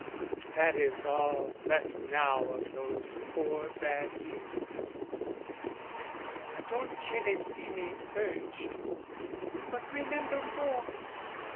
That is all left now of those four bad years. Don Celestine urged "But remember more!